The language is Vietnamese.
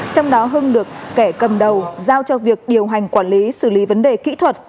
trong đó hưng được kẻ cầm đầu giao cho việc điều hành quản lý xử lý vấn đề kỹ thuật